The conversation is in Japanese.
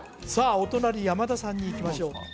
お隣山田さんにいきましょう